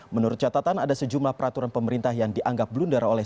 menurut catatan ada sejumlah peraturan pemerintah yang dianggap blunder oleh